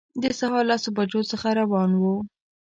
د سهار لسو بجو څخه روان وو.